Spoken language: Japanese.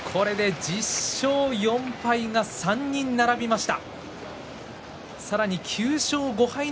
これで１０勝３敗が３人並びました。